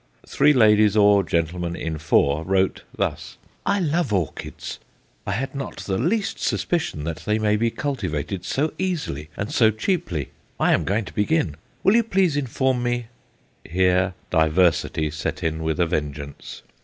Three ladies or gentlemen in four wrote thus: "I love orchids. I had not the least suspicion that they may be cultivated so easily and so cheaply. I am going to begin. Will you please inform me" here diversity set in with a vengeance!